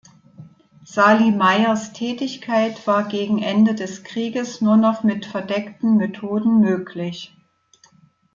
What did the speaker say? Saly Mayers Tätigkeit war gegen Ende des Krieges nur noch mit verdeckten Methoden möglich.